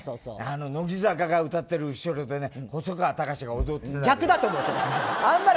乃木坂が歌ってる後ろで細川たかしが踊ったりね。